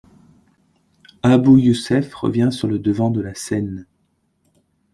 Abou Youssef revient sur le devant de la scène.